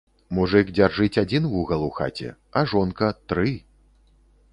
Мужык дзяржыць адзiн вугал у хаце, а жонка — тры